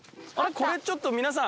これちょっと皆さん。